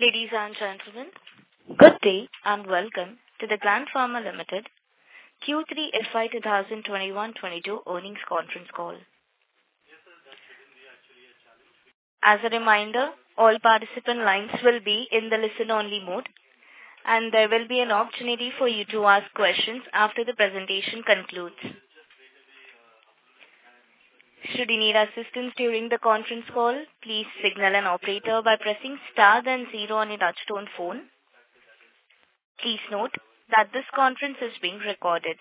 Ladies and gentlemen, good day and welcome to the Gland Pharma Limited Q3 FY 2021-2022 earnings conference call. As a reminder, all participant lines will be in the listen-only mode, and there will be an opportunity for you to ask questions after the presentation concludes. Should you need assistance during the conference call, please signal an operator by pressing star then zero on your touch-tone phone. Please note that this conference is being recorded.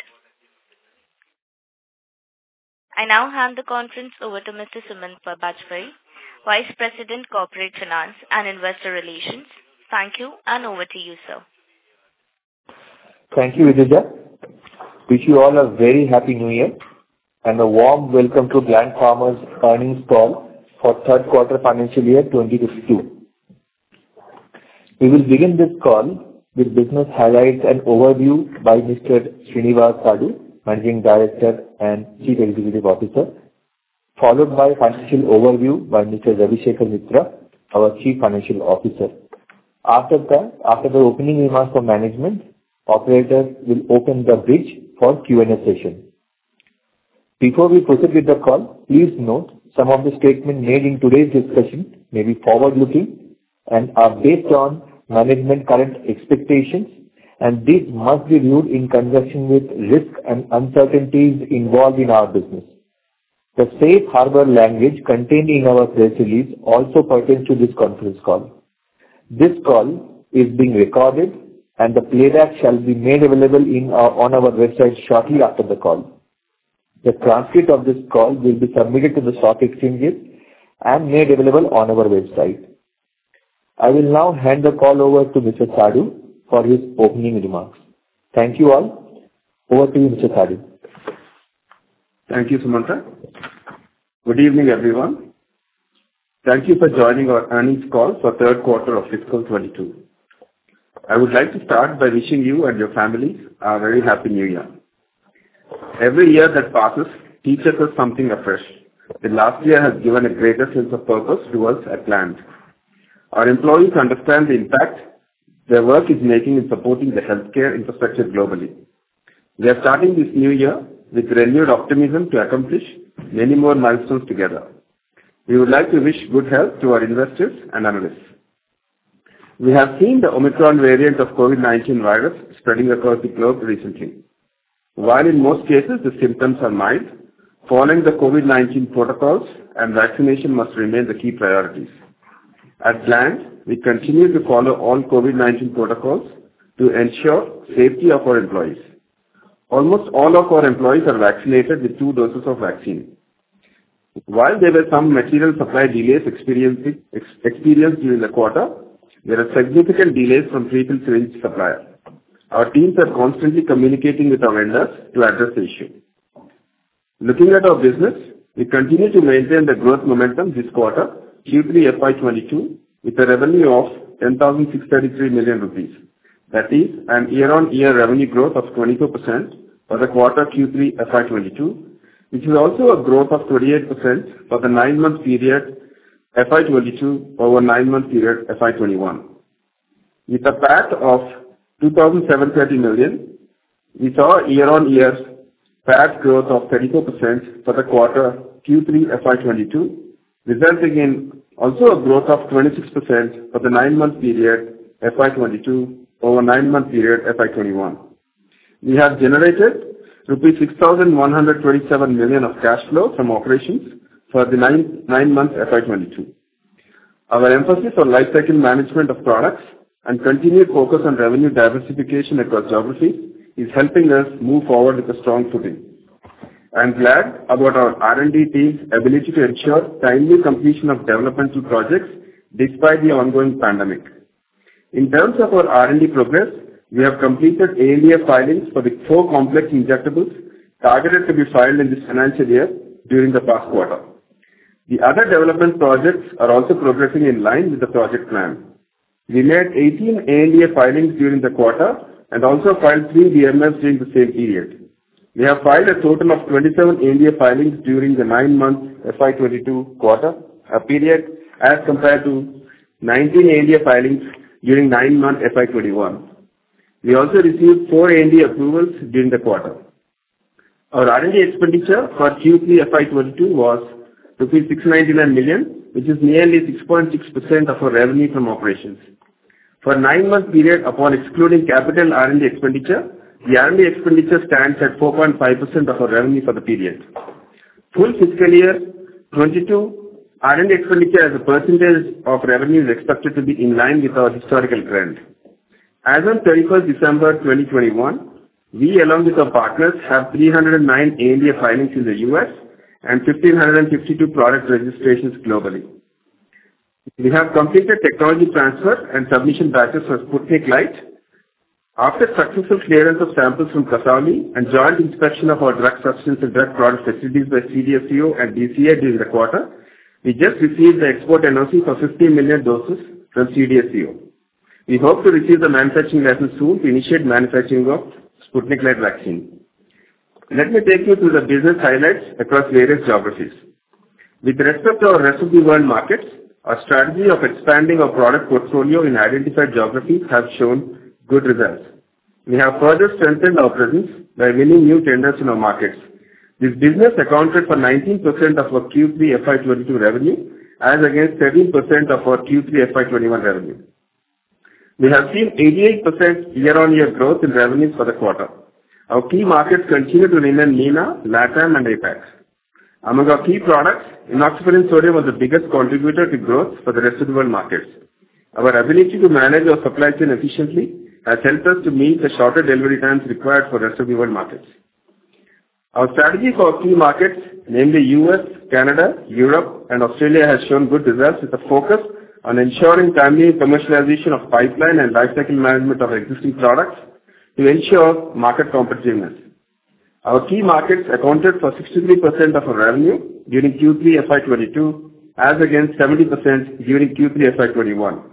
I now hand the conference over to Mr. Sumanta Bajpayee, Vice President, Corporate Finance and Investor Relations. Thank you and over to you, sir. Thank you, Vijaya. Wish you all a very happy new year and a warm welcome to Gland Pharma's earnings call for Q3 FY 2022. We will begin this call with business highlights and overview by Mr. Srinivas Sadhu, Managing Director and Chief Executive Officer, followed by financial overview by Mr. Ravisekhar Mitra, our Chief Financial Officer. After that, after the opening remarks from management, operators will open the bridge for Q&A session. Before we proceed with the call, please note some of the statements made in today's discussion may be forward-looking and are based on management's current expectations, and these must be viewed in conjunction with risks and uncertainties involved in our business. The safe harbor language contained in our press release also pertains to this conference call. This call is being recorded, and the playback shall be made available on our website shortly after the call. The transcript of this call will be submitted to the stock exchanges and made available on our website. I will now hand the call over to Mr. Sadhu for his opening remarks. Thank you all. Over to you, Mr. Sadhu. Thank you, Sumanta. Good evening, everyone. Thank you for joining our earnings call for Q3 of fiscal 2022. I would like to start by wishing you and your families a very happy new year. Every year that passes teaches us something afresh. The last year has given a greater sense of purpose to us at Gland. Our employees understand the impact their work is making in supporting the healthcare infrastructure globally. We are starting this new year with renewed optimism to accomplish many more milestones together. We would like to wish good health to our investors and analysts. We have seen the Omicron variant of COVID-19 virus spreading across the globe recently. While in most cases the symptoms are mild, following the COVID-19 protocols and vaccination must remain the key priorities. At Gland, we continue to follow all COVID-19 protocols to ensure safety of our employees. Almost all of our employees are vaccinated with two doses of vaccine. While there were some material supply delays experienced during the quarter, there are significant delays from three suppliers. Our teams are constantly communicating with our vendors to address the issue. Looking at our business, we continue to maintain the growth momentum this quarter, Q3 FY 2022, with a revenue of 10,633 million rupees. That is a year-on-year revenue growth of 22% for the quarter Q3 FY 2022, which is also a growth of 28% for the nine-month period FY 2022 over nine-month period FY 2021. With a PAT of 2,730 million, we saw year-on-year PAT growth of 34% for the quarter Q3 FY 2022, resulting in also a growth of 26% for the nine-month period FY 2022 over nine-month period FY 2021. We have generated rupees 6,127 million of cash flow from operations for the nine-month FY 2022. Our emphasis on lifecycle management of products and continued focus on revenue diversification across geographies is helping us move forward with a strong footing. I'm glad about our R&D team's ability to ensure timely completion of developmental projects despite the ongoing pandemic. In terms of our R&D progress, we have completed ANDA filings for the four complex injectables targeted to be filed in this financial year during the past quarter. The other development projects are also progressing in line with the project plan. We made 18 ANDA filings during the quarter and also filed three DMFs during the same period. We have filed a total of 27 ANDA filings during the nine-month FY 2022 period, as compared to 19 ANDA filings during nine-month FY 2021. We also received four ANDA approvals during the quarter. Our R&D expenditure for Q3 FY 2022 was 6.99 million, which is nearly 6.6% of our revenue from operations. For nine-month period upon excluding capital R&D expenditure, the R&D expenditure stands at 4.5% of our revenue for the period. FY 2022 R&D expenditure as a percentage of revenue is expected to be in line with our historical trend. As on December 31, 2021, we along with our partners have 309 ANDA filings in the U.S. and 1,552 product registrations globally. We have completed technology transfer and submission batches for Sputnik Light. After successful clearance of samples from Kasauli and joint inspection of our drug substance and drug product facilities by CDSCO and BCI during the quarter, we just received the export NOC for 50 million doses from CDSCO. We hope to receive the manufacturing license soon to initiate manufacturing of Sputnik Light vaccine. Let me take you through the business highlights across various geographies. With respect to our rest of world markets, our strategy of expanding our product portfolio in identified geographies has shown good results. We have further strengthened our presence by winning new tenders in our markets. This business accounted for 19% of our Q3 FY 2022 revenue, as against 17% of our Q3 FY 2021 revenue. We have seen 88% year-on-year growth in revenues for the quarter. Our key markets continue to remain in MENA, LatAm and APAC. Among our key products, enoxaparin sodium was the biggest contributor to growth for the rest of the world markets. Our ability to manage our supply chain efficiently has helped us to meet the shorter delivery times required for rest of the world markets. Our strategy for our key markets, namely U.S., Canada, Europe and Australia, has shown good results, with a focus on ensuring timely commercialization of pipeline and lifecycle management of existing products to ensure market competitiveness. Our key markets accounted for 63% of our revenue during Q3 FY 2022, as against 70% during Q3 FY 2021.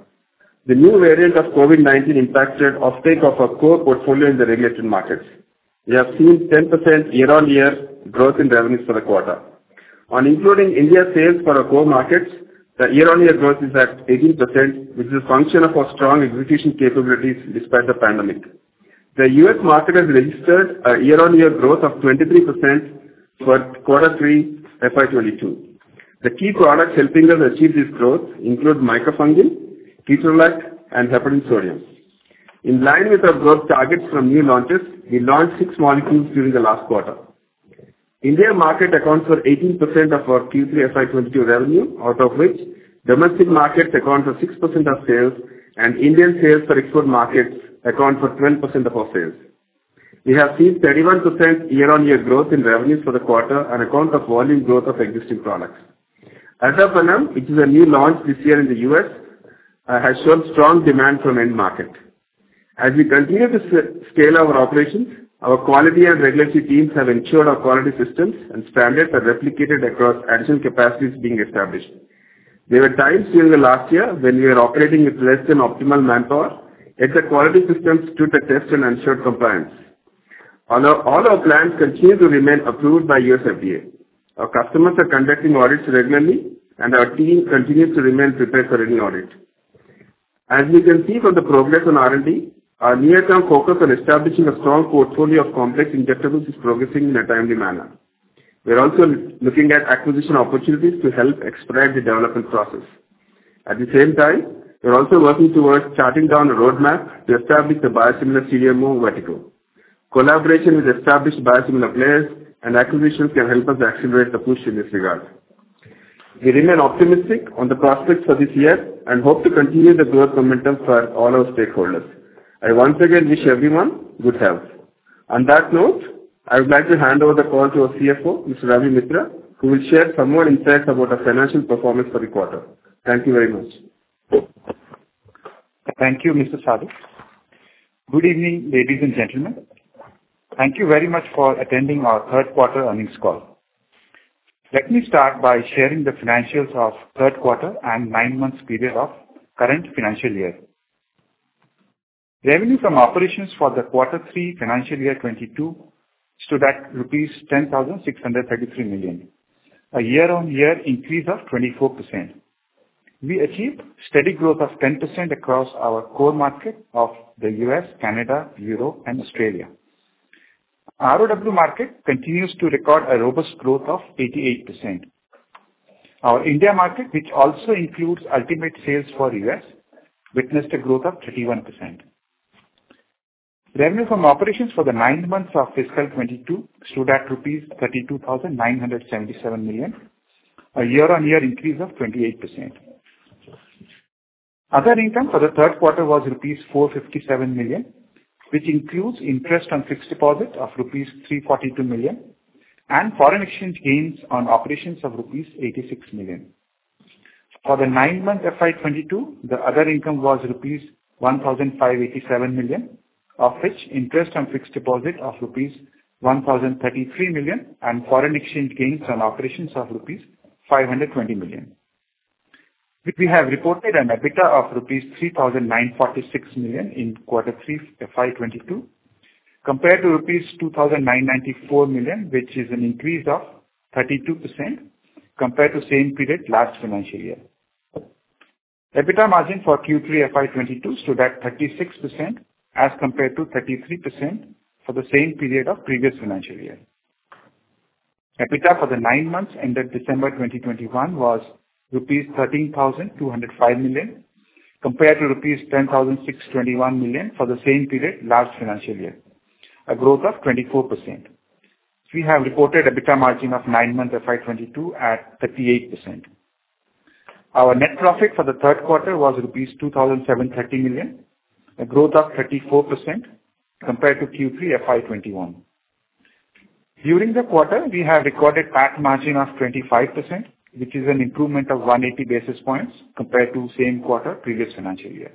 The new variant of COVID-19 impacted off-take of our core portfolio in the regulated markets. We have seen 10% year-on-year growth in revenues for the quarter. On including India sales for our core markets, the year-on-year growth is at 18%, which is a function of our strong execution capabilities despite the pandemic. The U.S. market has registered a year-on-year growth of 23% for Q3 FY 2022. The key products helping us achieve this growth include micafungin, ketorolac, and heparin sodium. In line with our growth targets from new launches, we launched 6 molecules during the last quarter. India market accounts for 18% of our Q3 FY 2022 revenue, out of which domestic markets account for 6% of sales and Indian sales for export markets account for 12% of our sales. We have seen 31% year-on-year growth in revenues for the quarter on account of volume growth of existing products. Asafanam, which is a new launch this year in the U.S., has shown strong demand from end market. As we continue to scale our operations, our quality and regulatory teams have ensured our quality systems and standards are replicated across additional capacities being established. There were times during the last year when we were operating with less than optimal manpower, yet the quality systems stood the test and ensured compliance. All our plants continue to remain approved by U.S. FDA. Our customers are conducting audits regularly and our team continues to remain prepared for any audit. As you can see from the progress on R&D, our near-term focus on establishing a strong portfolio of complex injectables is progressing in a timely manner. We are also looking at acquisition opportunities to help expedite the development process. At the same time, we are also working towards charting out a roadmap to establish a biosimilar CDMO vertical. Collaboration with established biosimilar players and acquisitions can help us accelerate the push in this regard. We remain optimistic on the prospects for this year and hope to continue the growth momentum for all our stakeholders. I once again wish everyone good health. On that note, I would like to hand over the call to our Chief Financial Officer, Mr. Ravi Mitra, who will share some more insights about our financial performance for the quarter. Thank you very much. Thank you, Mr. Sadu. Good evening, ladies and gentlemen. Thank you very much for attending our Q3 earnings call. Let me start by sharing the financials of Q3 and nine months period of current financial year. Revenue from operations for the quarter three financial year 2022 stood at rupees 10,633 million, a year-on-year increase of 24%. We achieved steady growth of 10% across our core market of the U.S., Canada, Europe, and Australia. ROW market continues to record a robust growth of 88%. Our India market, which also includes US sales, witnessed a growth of 31%. Revenue from operations for the nine months of fiscal 2022 stood at rupees 32,977 million, a year-on-year increase of 28%. Other income for the Q3 was rupees 457 million, which includes interest on fixed deposit of rupees 342 million and foreign exchange gains on operations of rupees 86 million. For the nine-month FY 2022, the other income was rupees 1,587 million, of which interest on fixed deposit of rupees 1,033 million and foreign exchange gains on operations of rupees 520 million. We have reported an EBITDA of rupees 3,946 million in Q3 FY 2022, compared to rupees 2,994 million, which is an increase of 32% compared to same period last financial year. EBITDA margin for Q3 FY 2022 stood at 36% as compared to 33% for the same period of previous financial year. EBITDA for the 9 months ended December 2021 was rupees 13,205 million compared to rupees 10,621 million for the same period last financial year, a growth of 24%. We have reported EBITDA margin of 9-month FY 2022 at 38%. Our net profit for the Q3 was rupees 2,730 million, a growth of 34% compared to Q3 FY 2021. During the quarter, we have recorded PAT margin of 25%, which is an improvement of 180 basis points compared to same quarter previous financial year.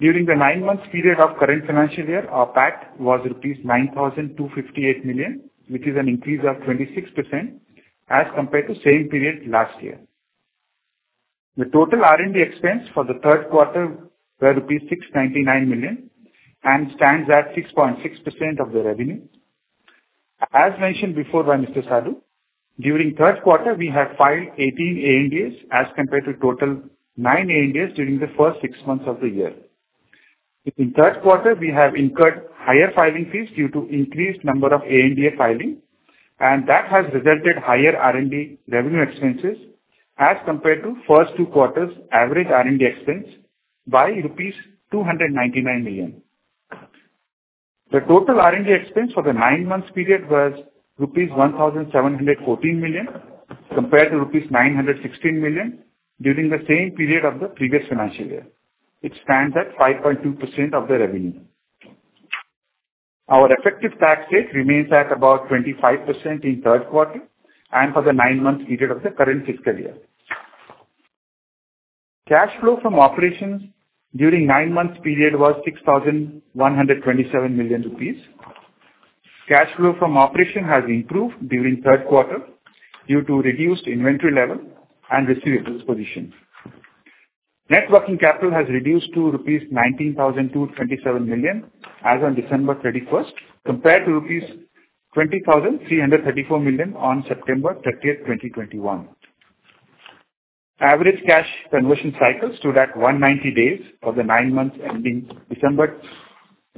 During the nine months period of current financial year, our PAT was rupees 9,258 million, which is an increase of 26% as compared to same period last year. The total R&D expense for the Q3 were rupees 699 million and stands at 6.6% of the revenue. As mentioned before by Mr. Sadhu, during Q3, we have filed 18 ANDAs as compared to total nine ANDAs during the first six months of the year. In Q3, we have incurred higher filing fees due to increased number of ANDA filing, and that has resulted higher R&D revenue expenses as compared to first two quarters average R&D expense by rupees 299 million. The total R&D expense for the nine months period was rupees 1,714 million compared to rupees 916 million during the same period of the previous financial year. It stands at 5.2% of the revenue. Our effective tax rate remains at about 25% in Q3 and for the nine months period of the current fiscal year. Cash flow from operations during nine months period was 6,127 million rupees. Cash flow from operation has improved during Q3 due to reduced inventory level and receivables position. Net working capital has reduced to 19,227 million rupees as on December 31, compared to 20,334 million rupees on September 30, 2021. Average cash conversion cycle stood at 190 days for the nine months ending December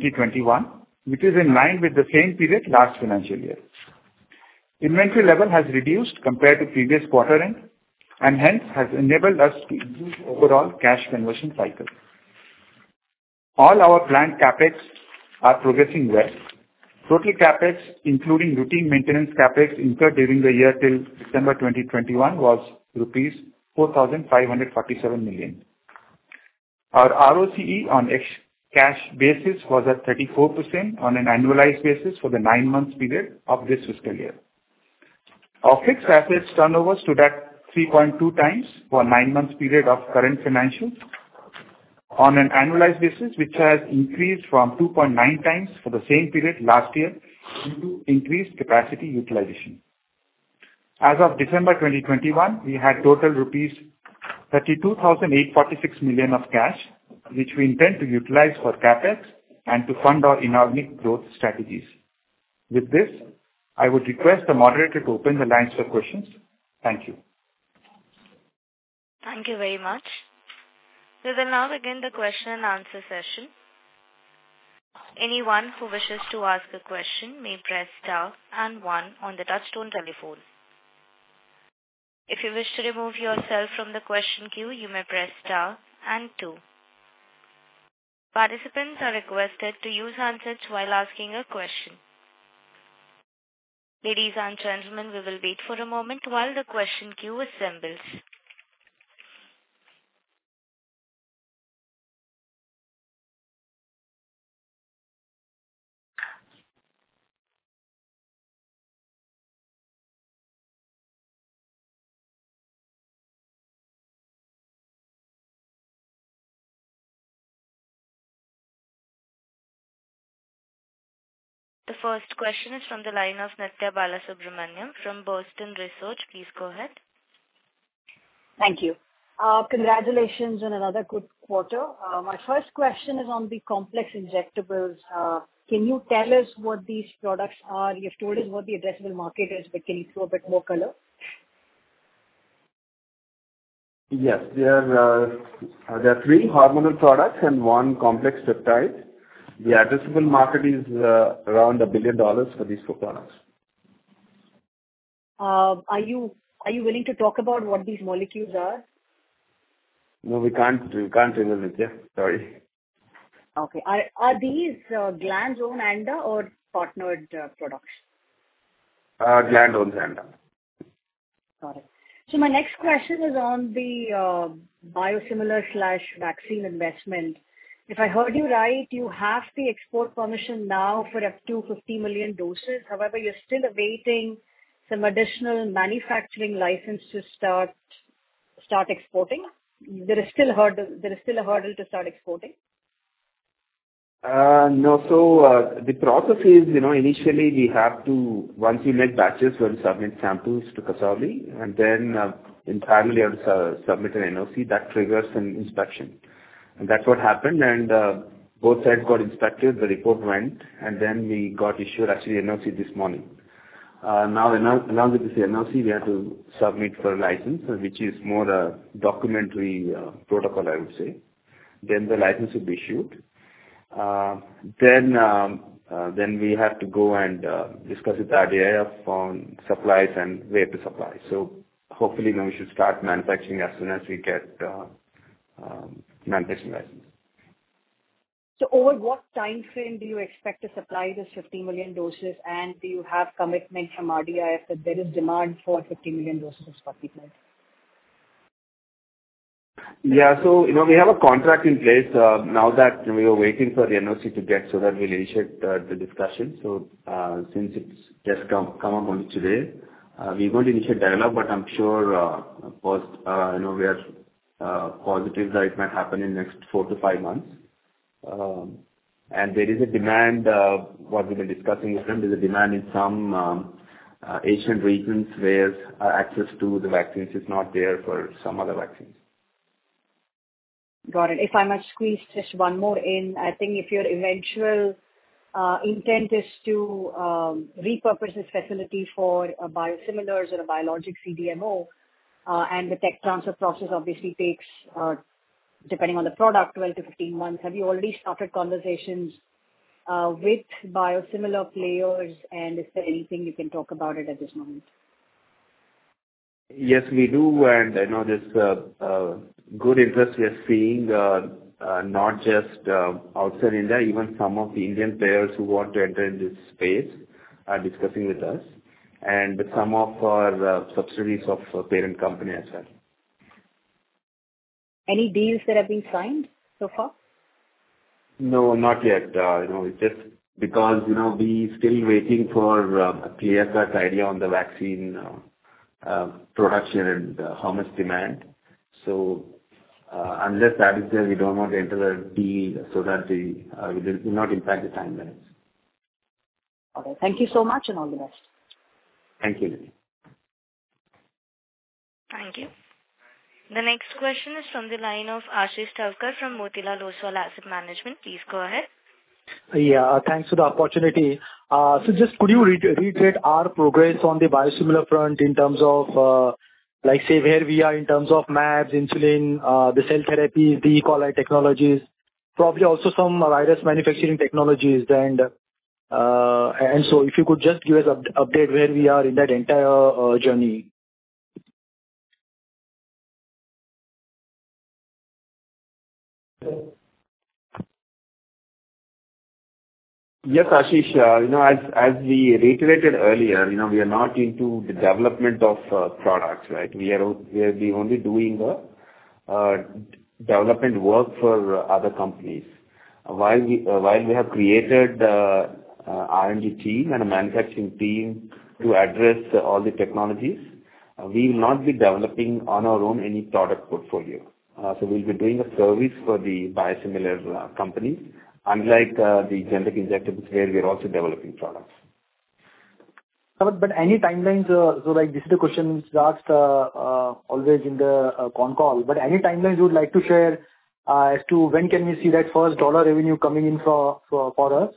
2021, which is in line with the same period last financial year. Inventory level has reduced compared to previous quarter end and hence has enabled us to improve overall cash conversion cycle. All our planned CapEx are progressing well. Total CapEx, including routine maintenance CapEx incurred during the year till December 2021, was rupees 4,547 million. Our ROCE on ex-cash basis was at 34% on an annualized basis for the nine months period of this fiscal year. Our fixed assets turnover stood at 3.2x for nine months period of current financial on an annualized basis, which has increased from 2.9x for the same period last year due to increased capacity utilization. As of December 2021, we had total rupees 32,846 million of cash, which we intend to utilize for CapEx and to fund our inorganic growth strategies. With this, I would request the moderator to open the lines for questions. Thank you. Thank you very much. We will now begin the Q&A session. Anyone who wishes to ask a question may press star and one on the touchtone telephone. If you wish to remove yourself from the question queue, you may press star and two. Participants are requested to use handsets while asking a question. Ladies and gentlemen, we will wait for a moment while the question queue assembles. The first question is from the line of Nithya Balasubramanian from Bernstein Research. Please go ahead. Thank you. Congratulations on another good quarter. My first question is on the complex injectables. Can you tell us what these products are? You've told us what the addressable market is, but can you throw a bit more color? Yes. There are three hormonal products and one complex peptide. The addressable market is around $1 billion for these four products. Are you willing to talk about what these molecules are? No, we can't reveal it yet. Sorry. Okay. Are these Gland's own ANDA or partnered products? Gland owns ANDA. Got it. My next question is on the biosimilar/vaccine investment. If I heard you right, you have the export permission now for up to 50 million doses. However, you're still awaiting some additional manufacturing license to start exporting. There is still a hurdle to start exporting. No. The process is, you know, Once you make batches, you have to submit samples to Kasauli, and then, in parallel, you have to submit an NOC that triggers an inspection. That's what happened. Both sides got inspected, the report went, and then we got issued actually NOC this morning. Now, along with this NOC, we have to submit for license, which is more a documentary protocol, I would say. The license will be issued. We have to go and discuss with RDIF on supplies and where to supply. Hopefully now we should start manufacturing as soon as we get manufacturing license. Over what timeframe do you expect to supply this 50 million doses? Do you have commitment from RDIF that there is demand for 50 million doses of Sputnik V? Yeah. You know, we have a contract in place, now that we are waiting for the NOC to get so that we'll initiate the discussion. Since it's just come up only today, we're going to initiate dialogue, but I'm sure first, you know, we are positive that it might happen in next four to five months. There is a demand for what we've been discussing in some Asian regions where access to the vaccines is not there for some other vaccines. Got it. If I may squeeze just one more in. I think if your eventual intent is to repurpose this facility for biosimilars or a biologic CDMO, and the tech transfer process obviously takes, depending on the product, 12-15 months, have you already started conversations with biosimilar players? Is there anything you can talk about it at this moment? Yes, we do. I know there's a good interest we are seeing, not just outside India. Even some of the Indian players who want to enter in this space are discussing with us and some of our subsidiaries of parent company as well. Any deals that have been signed so far? No, not yet. You know, it's just because, you know, we still waiting for a clear cut idea on the vaccine production and how much demand. Unless that is there, we don't want to enter a deal so that it will not impact the timelines. All right. Thank you so much, and all the best. Thank you. Thank you. The next question is from the line of Ashish Thakkar from Motilal Oswal Asset Management. Please go ahead. Thanks for the opportunity. Could you just reiterate our progress on the biosimilar front in terms of, like, say, where we are in terms of mAbs, insulin, the cell therapies, the E. coli technologies, probably also some virus manufacturing technologies. If you could just give us update where we are in that entire journey. Yes, Ashish. You know, as we reiterated earlier, you know, we are not into the development of products, right? We are only doing a development work for other companies. While we have created a R&D team and a manufacturing team to address all the technologies, we will not be developing on our own any product portfolio. So we'll be doing a service for the biosimilar company, unlike the generic injectables, where we are also developing products. Any timelines, so like this is the questions asked, always in the con call, but any timelines you would like to share, as to when can we see that first dollar revenue coming in for us?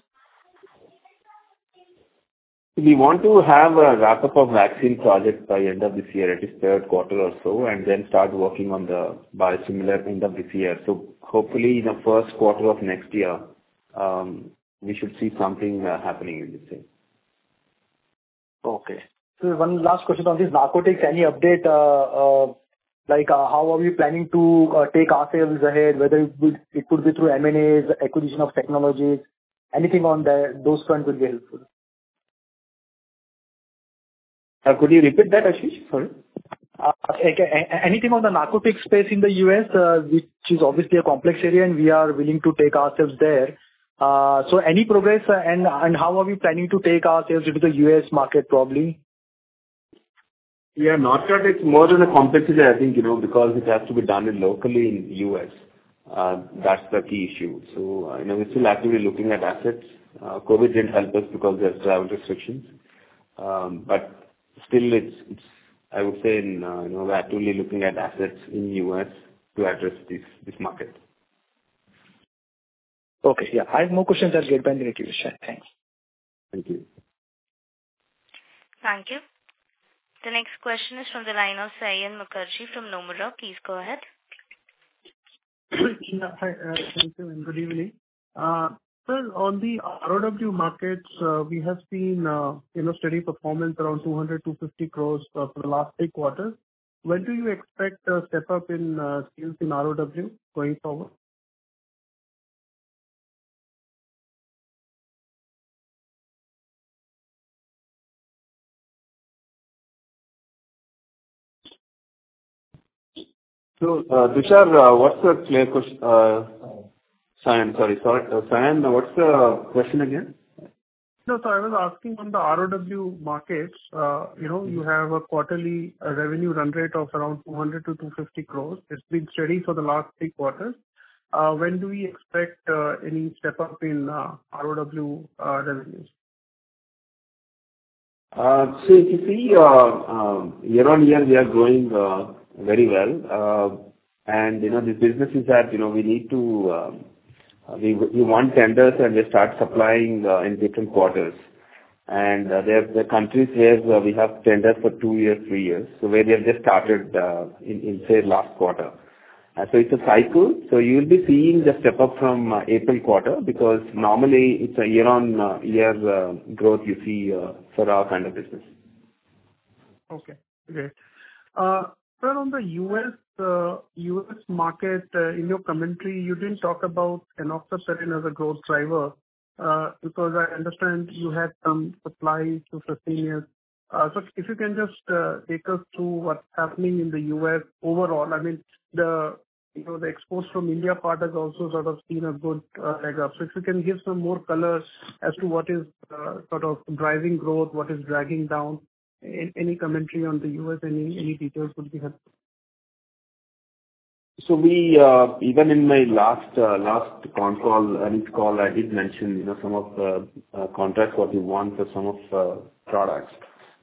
We want to have a wrap up of vaccine projects by end of this year, at least Q3 or so, and then start working on the biosimilar end of this year. Hopefully in the Q1 of next year, we should see something happening in this space. One last question on this narcotics. Any update, like how are we planning to take ourselves ahead, it could be through M&As, acquisition of technologies, anything on that, those fronts would be helpful. Could you repeat that, Ashish? Sorry. Anything on the narcotics space in the U.S., which is obviously a complex area, and we are willing to take ourselves there. Any progress and how are we planning to take ourselves into the U.S. market, probably? Yeah. Narcotics, more of the complexity, I think, you know, because it has to be done locally in U.S., that's the key issue. You know, we're still actively looking at assets. COVID didn't help us because there's travel restrictions. But still it's I would say in, you know, we're actively looking at assets in U.S. to address this market. Okay. Yeah. I have no more questions. I'll get back to you, Vishal. Thanks. Thank you. Thank you. The next question is from the line of Saion Mukherjee from Nomura. Please go ahead. Yeah. Hi. Thank you, and good evening. Sir, on the ROW markets, we have seen, you know, steady performance around 200-250 crores for the last three quarters. When do you expect a step up in sales in ROW going forward? Vishal, Saion, sorry. Saion, what's the question again? No. I was asking on the ROW markets, you know, you have a quarterly revenue run rate of around 200-250 crore. It's been steady for the last 3 quarters. When do we expect any step up in ROW revenues? If you see year-over-year, we are growing very well. You know, this business is that, you know, we need to win tenders and we start supplying in different quarters. There are countries where we have tender for two years, three years. Where we have just started in, say, last quarter, it's a cycle. You'll be seeing the step up from April quarter because normally it's a year-over-year growth you see for our kind of business. Okay, great. Sir, on the U.S. market, in your commentary, you didn't talk about enoxaparin as a growth driver, because I understand you had some supply constraints. If you can just take us through what's happening in the U.S. overall. I mean, you know, the exports from India part has also sort of seen a good leg up. If you can give some more colors as to what is sort of driving growth, what is dragging down. Any commentary on the U.S., any details would be helpful. We even in my last con call, earnings call, I did mention, you know, some of the contracts what we won for some of the products.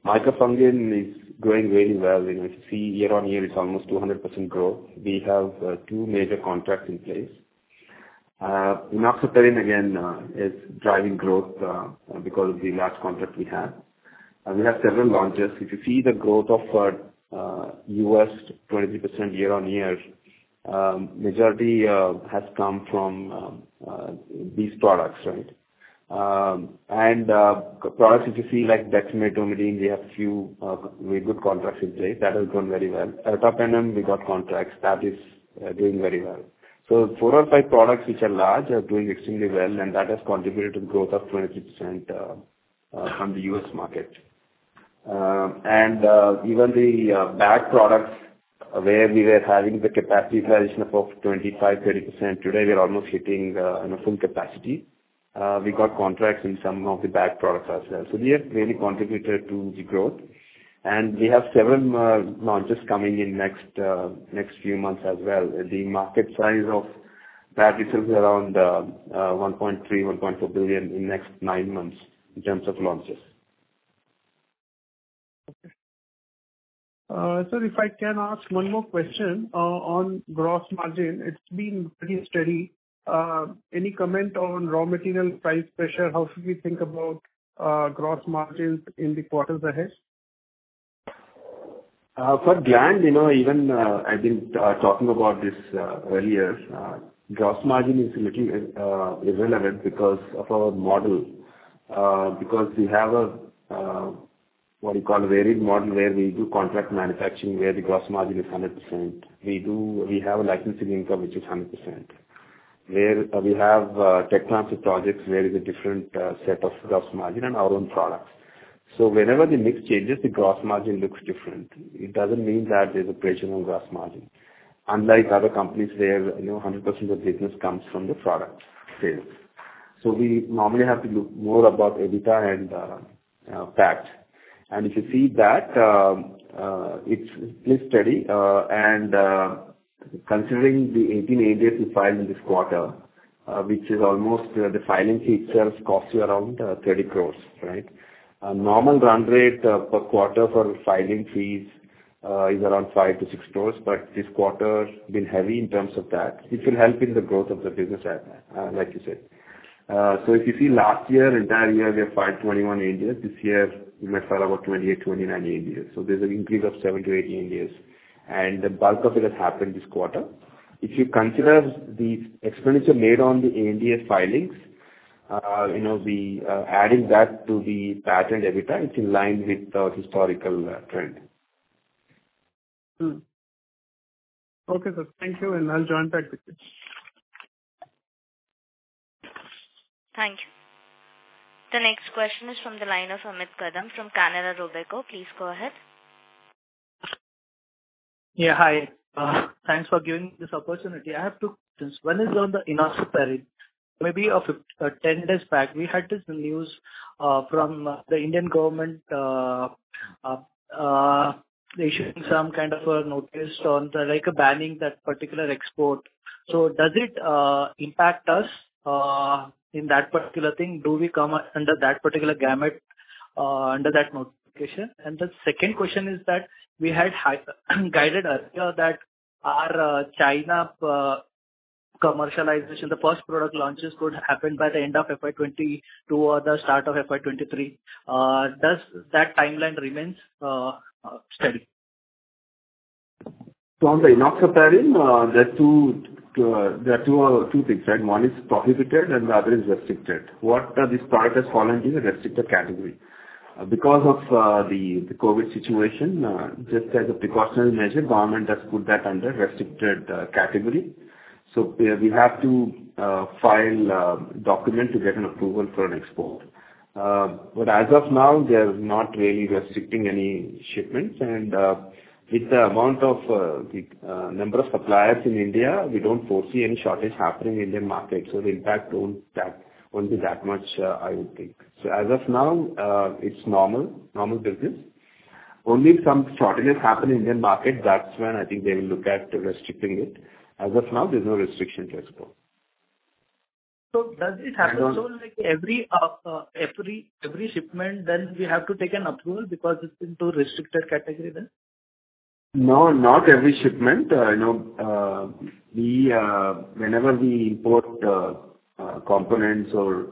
Micafungin is growing very well. You know, if you see year-on-year it's almost 200% growth. We have two major contracts in place. Enoxaparin again is driving growth because of the large contract we have. We have several launches. If you see the growth of US 23% year-on-year, majority has come from these products, right? Products if you see like dexamethasone, we have few very good contracts in place. That has gone very well. Ertapenem we got contracts. That is doing very well. Four or five products which are large are doing extremely well, and that has contributed to the growth of 23% from the U.S. market. Even the bag products where we were having the capacity utilization of 25%-30%, today we are almost hitting, you know, full capacity. We got contracts in some of the bag products as well. They have really contributed to the growth. We have several launches coming in next few months as well. The market size of that is around $1.3-$1.4 billion in next nine months in terms of launches. Okay. Sir, if I can ask one more question, on gross margin. It's been pretty steady. Any comment on raw material price pressure? How should we think about gross margins in the quarters ahead? For Gland, you know, even I've been talking about this earlier. Gross margin is a little irrelevant because of our model. Because we have a what you call varied model, where we do contract manufacturing, where the gross margin is 100%. We have a licensing income which is 100%. Where we have tech transfer projects where is a different set of gross margin and our own products. Whenever the mix changes, the gross margin looks different. It doesn't mean that there's a pressure on gross margin, unlike other companies where, you know, 100% of business comes from the product sales. We normally have to look more about EBITDA and PAT. If you see that, it's steady. Considering the 18 ANDAs we filed in this quarter, which is almost the filing fee itself costs you around 30 crores, right? A normal run rate per quarter for filing fees is around 5-6 crores, but this quarter's been heavy in terms of that. It will help in the growth of the business, like you said. If you see last year, entire year, we have filed 21 ANDAs. This year we might file about 28-29 ANDAs. There's an increase of seven-eight ANDAs, and the bulk of it has happened this quarter. If you consider the expenditure made on the ANDA filings, you know, adding that to the PAT and EBITDA, it's in line with our historical trend. Okay, sir. Thank you, and I'll join back the queue. Thank you. The next question is from the line of Amit Kadam from Canara Robeco. Please go ahead. Yeah. Hi. Thanks for giving this opportunity. I have two questions. One is on the enoxaparin. Maybe 10 days back, we had this news from the Indian government issuing some kind of a notice on the like a banning that particular export. So does it impact us in that particular thing? Do we come under that particular gamut under that notification? And the second question is that we had guided earlier that our China commercialization, the first product launches could happen by the end of FY 2022 to the start of FY 2023. Does that timeline remains steady? On the enoxaparin, there are two things, right? One is prohibited and the other is restricted. This product has fallen in the restricted category. Because of the COVID situation, just as a precautionary measure, government has put that under restricted category. We have to file document to get an approval for an export. But as of now they are not really restricting any shipments. With the amount of the number of suppliers in India, we don't foresee any shortage happening in Indian market. The impact won't be that much, I would think. As of now, it's normal business. Only if some shortages happen in Indian market, that's when I think they will look at restricting it. As of now, there's no restriction to export. Does it happen? And on- Like every shipment then we have to take an approval because it's in the restricted category then? No, not every shipment. Whenever we import components or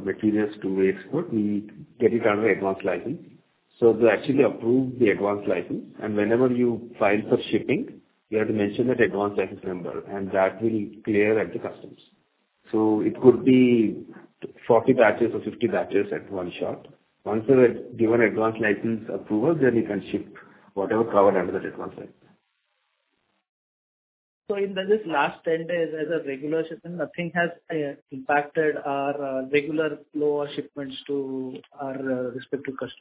materials to export, we get it under advance license. They actually approve the advance license. Whenever you file for shipping, you have to mention that advance license number, and that will clear at the customs. It could be 40 batches or 50 batches at one shot. Once you have given advance license approval, you can ship whatever covered under that advance license. In this last 10 days as a regular shipment, nothing has impacted our regular flow of shipments to our respective customers?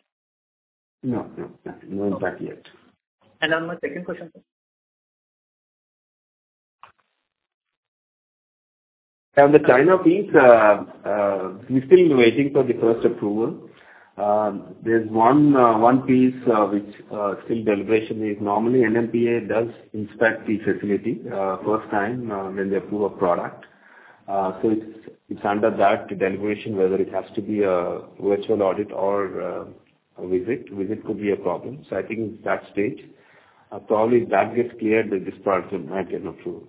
No impact yet. On my second question, sir. The China piece, we're still waiting for the first approval. There's one piece which is still under deliberation. Normally NMPA does inspect the facility first time when they approve a product. It's under that deliberation whether it has to be a virtual audit or a visit. Visit could be a problem. I think it's that stage. Probably if that gets cleared, then this product will get an approval.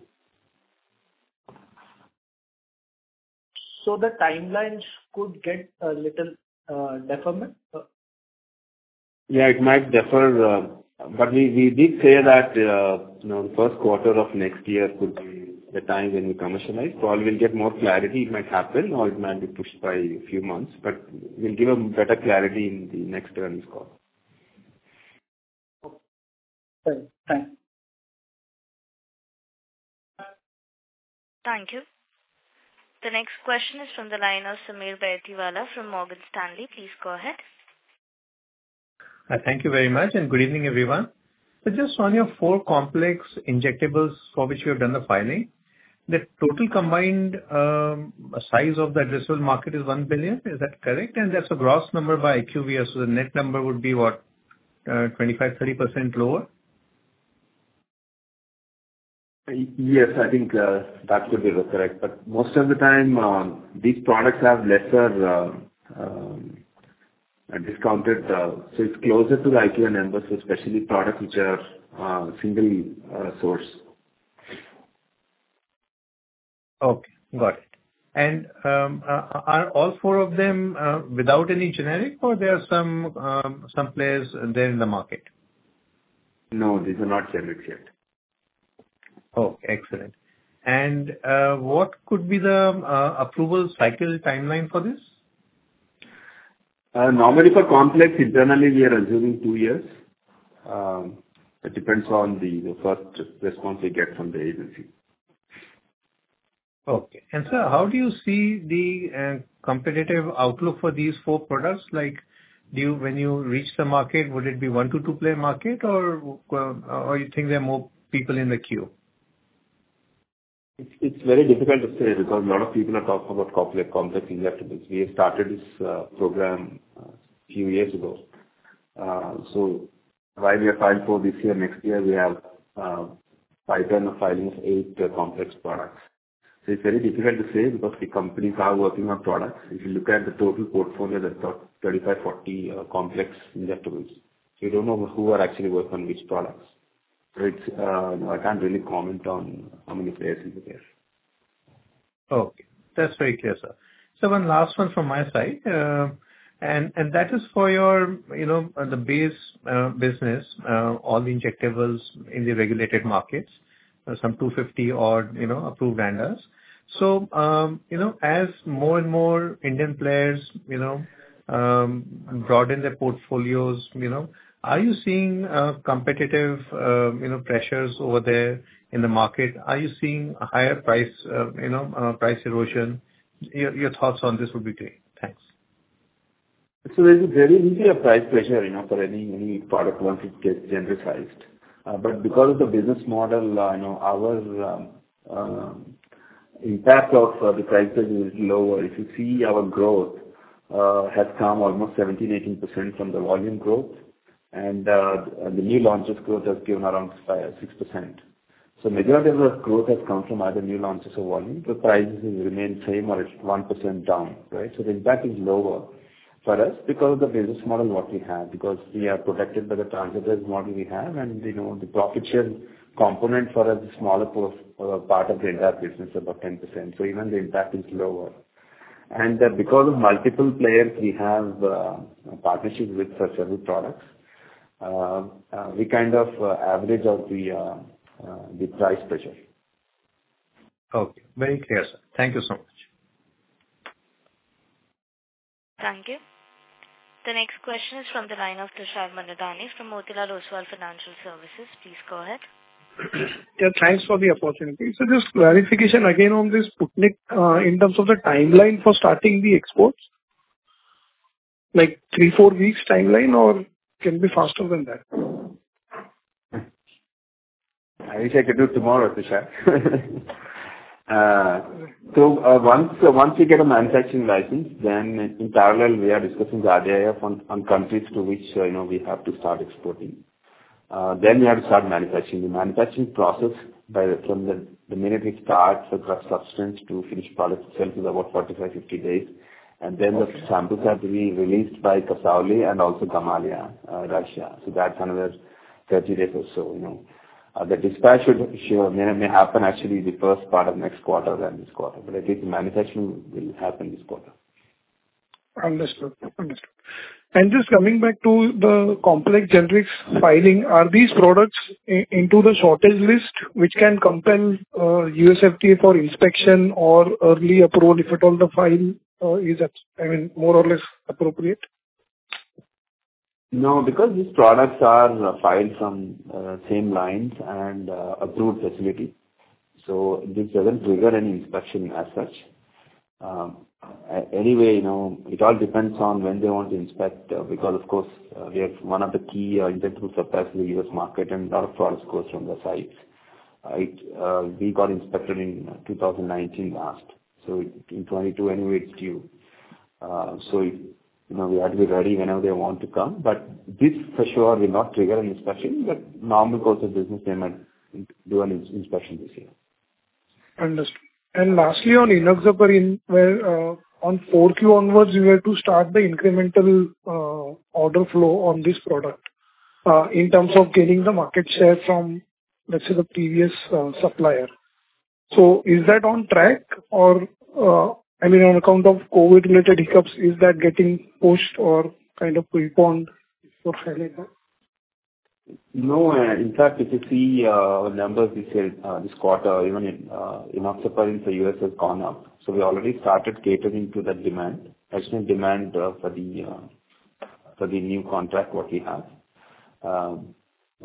The timelines could get a little deferment? Yeah, it might defer. We did say that you know, Q1 of next year could be the time when we commercialize. Probably we'll get more clarity. It might happen or it might be pushed by a few months, but we'll give a better clarity in the next earnings call. Okay, thanks. Thank you. The next question is from the line of Sameer Baisiwala from Morgan Stanley. Please go ahead. Thank you very much and good evening, everyone. Just on your four complex injectables for which you have done the filing, the total combined size of the addressable market is $1 billion. Is that correct? That's a gross number by IQVIA, so the net number would be what? 25%-30% lower? Yes. I think that could be the correct. Most of the time, these products have lesser discounted. It's closer to the IQVIA numbers, especially products which are single source. Okay, got it. Are all four of them without any generic or there are some players there in the market? No, these are not generics yet. Oh, excellent. What could be the approval cycle timeline for this? Normally for complex, internally we are assuming two years. It depends on the first response we get from the agency. Okay. Sir, how do you see the competitive outlook for these four products? Like, when you reach the market, would it be one-two player market or you think there are more people in the queue? It's very difficult to say because a lot of people are talking about complex injectables. We have started this program a few years ago. While we have filed for this year, next year we have pipeline of filings, eight complex products. It's very difficult to say because the companies are working on products. If you look at the total portfolio, there's about 30-40 complex injectables. You don't know who are actually working on which products. I can't really comment on how many players will be there. Okay. That's very clear, sir. One last one from my side. And that is for your, you know, the base business, all the injectables in the regulated markets. There's some 250 odd, you know, approved ANDAs. As more and more Indian players, you know, broaden their portfolios, you know, are you seeing competitive, you know, pressures over there in the market? Are you seeing a higher price, you know, price erosion? Your thoughts on this would be great. Thanks. There's very little price pressure, you know, for any product once it gets genericized. But because of the business model, you know, our impact of the price pressure is lower. If you see our growth has come almost 17%-18% from the volume growth and the new launches growth has given around 5%-6%. Majority of the growth has come from either new launches or volume. The prices remain same or it's 1% down, right? The impact is lower for us because the business model what we have, because we are protected by the transition model we have and, you know, the profit share component for a smaller part of the entire business, about 10%. Even the impact is lower. Because of multiple players we have partnership with such every products, we kind of average out the price pressure. Okay. Very clear, sir. Thank you so much. Thank you. The next question is from the line of Tushar Manudhane from Motilal Oswal Financial Services. Please go ahead. Yeah, thanks for the opportunity. Just clarification again on this Sputnik, in terms of the timeline for starting the exports. Like three-four weeks timeline or can be faster than that? I wish I could do tomorrow, Tushar. Once we get a manufacturing license, then in parallel we are discussing the RDIF on countries to which, you know, we have to start exporting. Then we have to start manufacturing. The manufacturing process from the minute we start the drug substance to finished product itself is about 45-50 days. Then the samples have to be released by Kasauli and also Gamaleya, Russia. That's another 30 days or so, you know. The dispatch may happen actually the first part of next quarter than this quarter. I think the manufacturing will happen this quarter. Understood. Just coming back to the complex generics filing, are these products into the shortage list, which can compel U.S. FDA for inspection or early approval if at all the file is at, I mean, more or less appropriate? No, because these products are filed from same lines and approved facility, so this doesn't trigger any inspection as such. Anyway, you know, it all depends on when they want to inspect, because of course, we have one of the key injectables suppliers in the U.S. market and lot of products goes from the site. We got inspected in 2019 last. In 2022 anyway it's due. You know, we have to be ready whenever they want to come. This for sure will not trigger an inspection, but normal course of business they might do an inspection this year. Understood. Lastly, on enoxaparin, where on Q4 onwards you were to start the incremental order flow on this product in terms of gaining the market share from, let's say, the previous supplier. Is that on track or, I mean, on account of COVID-related hiccups, is that getting pushed or kind of postponed for later? No. In fact, if you see our numbers, we said this quarter even in enoxaparin for U.S. has gone up. We already started catering to that demand. Excellent demand for the new contract that we have.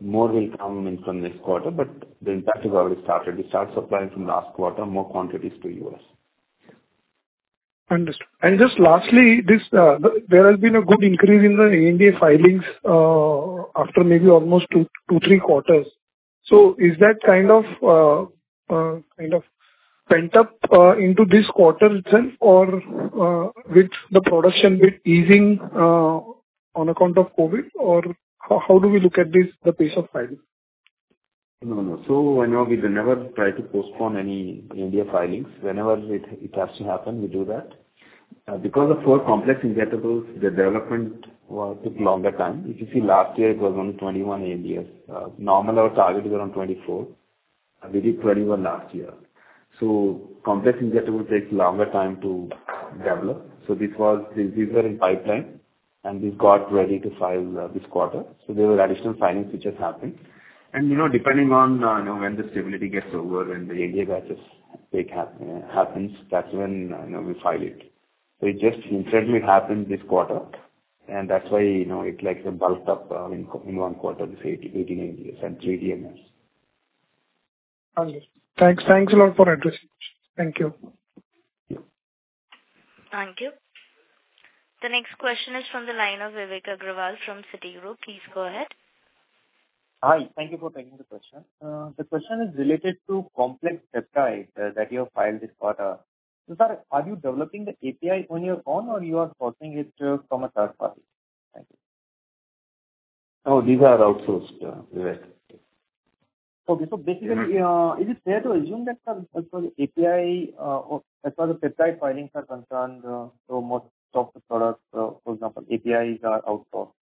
More will come in from next quarter, but the impact has already started. We started supplying from last quarter more quantities to U.S. Understood. Just lastly, there has been a good increase in the ANDA filings after maybe almost two, three quarters. Is that kind of pent up into this quarter itself or, with the production bit easing on account of COVID? How do we look at this, the pace of filing? No, no. I know we will never try to postpone any ANDA filings. Whenever it has to happen, we do that. Because of four complex injectables, the development took longer time. If you see last year it was only 21 ANDAs. Normally our target is around 24. We did 21 last year. Complex injectable takes longer time to develop. These were in pipeline, and these got ready to file this quarter. There were additional filings which has happened. You know, depending on you know, when the stability gets over and the ANDA batches take happens, that's when you know, we file it. It just incidentally happened this quarter, and that's why you know, it like sort of bulked up in one quarter, say, 18 ANDAs and three DMFs. Understood. Thanks. Thanks a lot for addressing. Thank you. Thank you. The next question is from the line of Vivek Agrawal from Citigroup. Please go ahead. Hi. Thank you for taking the question. The question is related to complex peptides that you have filed this quarter. So far, are you developing the API on your own or you are sourcing it from a third party? Thank you. No, these are outsourced, Vivek. Okay. Basically, is it fair to assume that, as far as API, or as far as the peptide filings are concerned, so most of the products, for example, APIs are outsourced?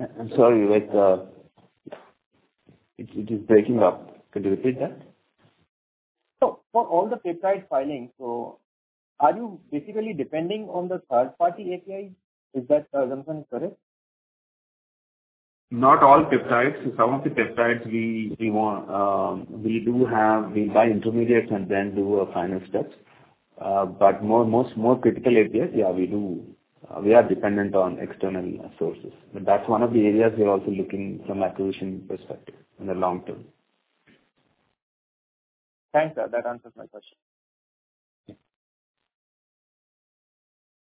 I'm sorry, Vivek, it is breaking up. Could you repeat that? For all the peptide filings, so are you basically depending on the third party APIs? Is that assumption correct? Not all peptides. Some of the peptides we want, we do have. We buy intermediates and then do final steps. Most critical APIs, yeah, we are dependent on external sources. That's one of the areas we are also looking from acquisition perspective in the long term. Thanks, sir. That answers my question.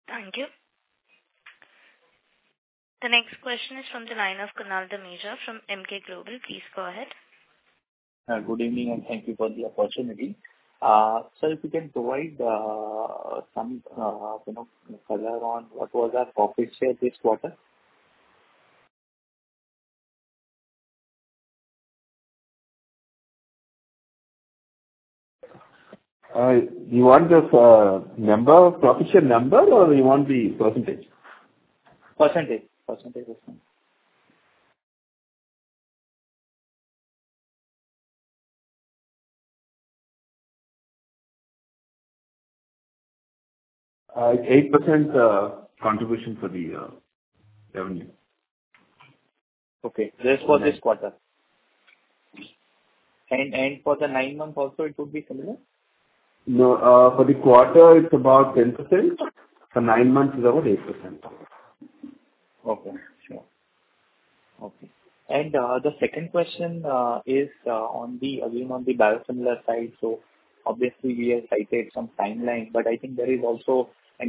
Thank you. The next question is from the line of Kunal Dhamesha from Emkay Global. Please go ahead. Good evening, and thank you for the opportunity. Sir, if you can provide some, you know, color on what was our profit share this quarter? You want the number, profit share number or you want the percentage? Percentage. Percentage is fine. It's 8% contribution for the revenue. Okay. Just for this quarter. Yes. For the nine months also it would be similar? No. For the quarter it's about 10%. For nine months it's about 8%. The second question is on the biosimilar side again. Obviously we have cited some timeline, but I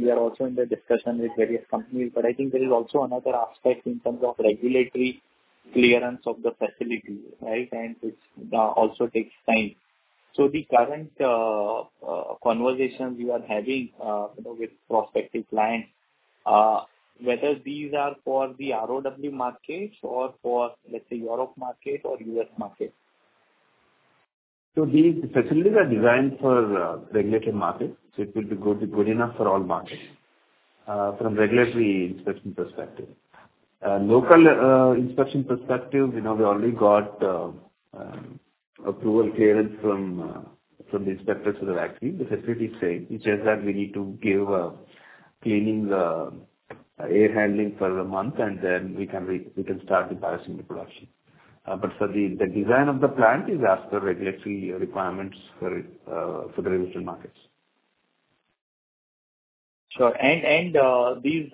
think there is also another aspect in terms of regulatory clearance of the facility, right? Which also takes time. The current conversations you are having, you know, with prospective clients, whether these are for the ROW markets or for, let's say, Europe market or U.S. market. These facilities are designed for regulated markets, so it will be good enough for all markets from regulatory inspection perspective. Local inspection perspective, you know, we already got approval clearance from the inspectors for the vaccine. The facility is same. It's just that we need to give cleaning the air handling for a month, and then we can start the biosimilar production. Sir, the design of the plant is as per regulatory requirements for the regulated markets. Sure. These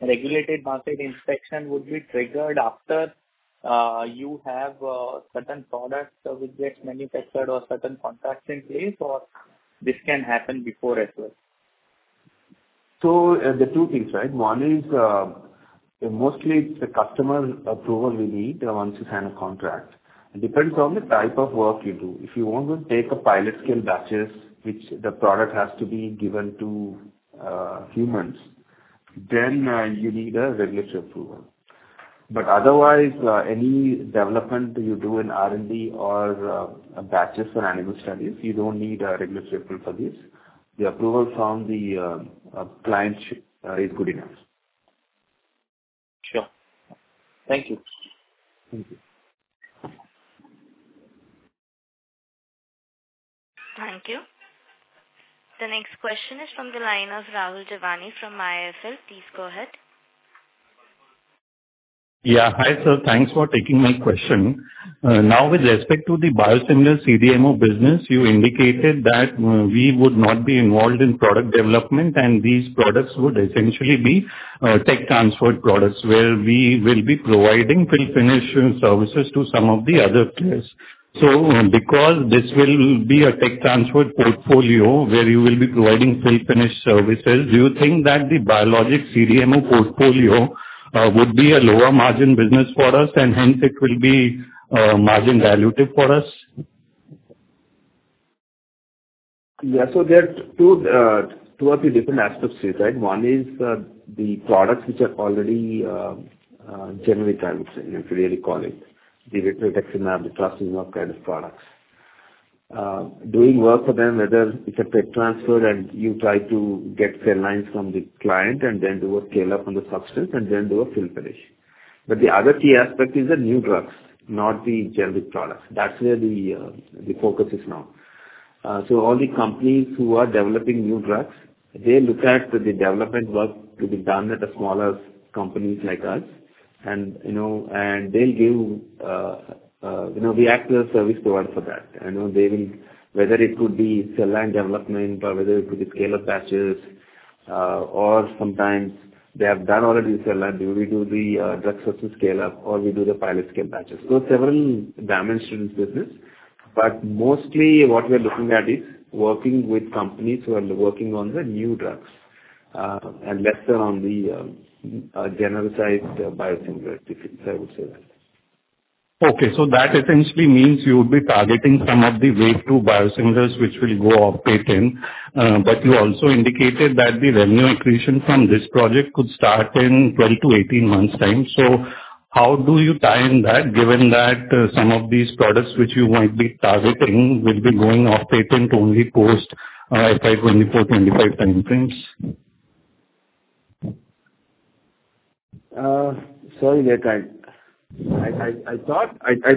regulated market inspection would be triggered after you have certain products which gets manufactured or certain contracts in place, or this can happen before as well. The two things, right? One is, mostly it's the customer approval we need once you sign a contract. It depends on the type of work you do. If you want to take a pilot scale batches, which the product has to be given to humans, then you need a regulatory approval. Otherwise, any development you do in R&D or batches for animal studies, you don't need a regulatory approval for this. The approval from the client is good enough. Sure. Thank you. Thank you. Thank you. The next question is from the line of Rahul Jeewani from IIFL. Please go ahead. Yeah. Hi, sir. Thanks for taking my question. Now with respect to the biosimilar CDMO business, you indicated that, we would not be involved in product development and these products would essentially be, tech transfer products where we will be providing fill finish services to some of the other players. Because this will be a tech transfer portfolio where you will be providing fill finish services, do you think that the biologic CDMO portfolio, would be a lower margin business for us and hence it will be, margin dilutive for us? Yeah. There are two or three different aspects to it, right? One is the products which are already generic, if you really call it the rituximab, the trastuzumab kind of products. Doing work for them, whether it's a tech transfer and you try to get cell lines from the client and then do a scale-up on the substance and then do a fill finish. The other key aspect is the new drugs, not the generic products. That's where the focus is now. All the companies who are developing new drugs, they look at the development work to be done at a smaller companies like us and they'll give, we act as a service provider for that. They will. Whether it could be cell line development or whether it could be scale-up batches, or sometimes they have done already the cell line. We do the drug substance scale-up or we do the pilot scale batches. Several dimensions business. Mostly what we are looking at is working with companies who are working on the new drugs, and lesser on the genericized biosimilars, I would say that. That essentially means you would be targeting some of the way to biosimilars which will go off patent, but you also indicated that the revenue accretion from this project could start in 12-18 months time. How do you time that, given that some of these products which you might be targeting will be going off patent only post FY 2024, 2025 timeframes? Sorry, I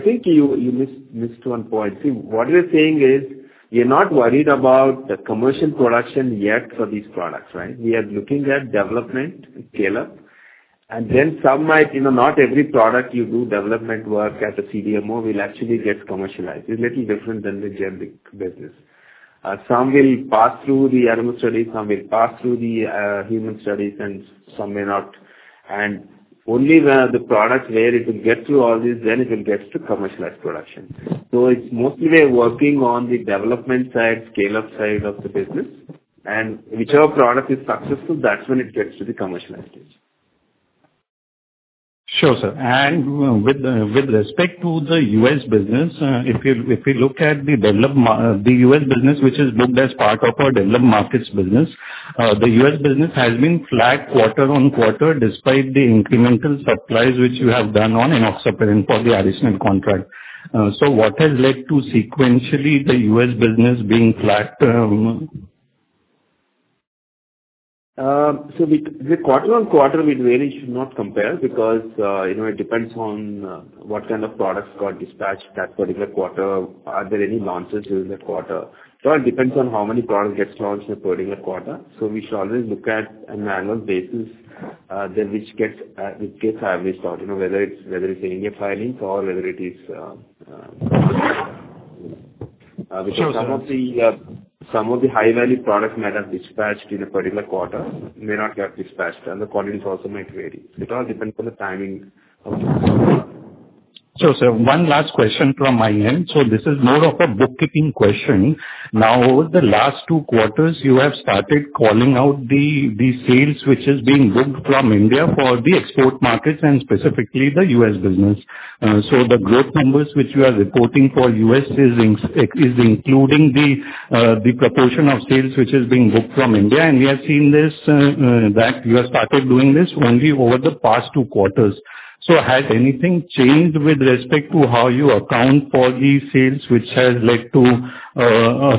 think you missed one point. See, what we're saying is we're not worried about the commercial production yet for these products, right? We are looking at development scale-up and then some might. You know, not every product you do development work at the CDMO will actually get commercialized. It's a little different than the generic business. Some will pass through the animal studies, some will pass through the human studies and some may not. Only the products where it will get through all this then it will get to commercialized production. It's mostly we're working on the development side, scale-up side of the business and whichever product is successful, that's when it gets to the commercialization. Sure, sir. With respect to the U.S. business, if you look at the developed markets business, the U.S. business which is booked as part of our developed markets business, the U.S. business has been flat quarter-on-quarter despite the incremental supplies which you have done on enoxaparin for the additional contract. What has led to sequentially the U.S. business being flat? The quarter-on-quarter we really should not compare because you know it depends on what kind of products got dispatched that particular quarter. Are there any launches during that quarter? It depends on how many products get launched in a particular quarter. We should always look at an annual basis then which gets averaged out. You know whether it's any filings or whether it is Sure, sir. Some of the high value products might have dispatched in a particular quarter, may not have dispatched and the volumes also might vary. It all depends on the timing of. Sure, sir. One last question from my end. This is more of a bookkeeping question. Now over the last two quarters you have started calling out the sales which is being booked from India for the export markets and specifically the U.S. business. The growth numbers which you are reporting for U.S. is including the proportion of sales which is being booked from India. We have seen this, that you have started doing this only over the past two quarters. Has anything changed with respect to how you account for these sales which has led to a